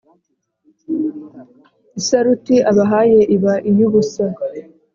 Isaruti abahaye iba iy'ubusa: